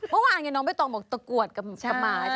เมื่อวานไงน้องเบอร์ตรงบอกตะกรวดกับใหม่ใช่